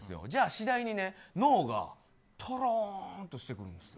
次第に脳がとろーんとしてくるんですよ。